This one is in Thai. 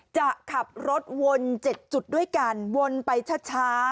จะขับรถวน๗จุดด้วยกันวนไปช้า